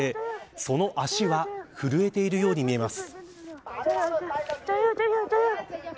その足は震えているように見えます。